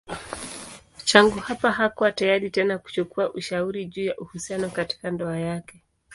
Tangu hapa hakuwa tayari tena kuchukua ushauri juu ya uhusiano katika ndoa yake.